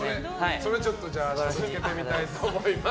それを明日ぶつけてみたいと思います。